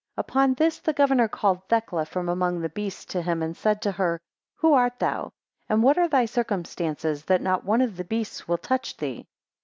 17 Upon this the governor called Thecla from among the beasts to him, and said to her, Who art thou? and what are thy circumstances, that not one of the beasts will touch thee?